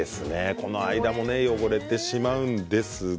この間も汚れてしまうんですね。